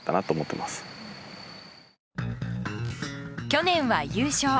去年は優勝。